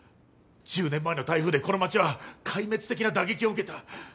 １０年前の台風でこの町は壊滅的な打撃を受けた。